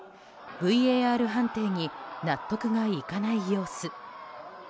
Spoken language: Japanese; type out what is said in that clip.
ＶＡＲ判定に納得がいかない様子。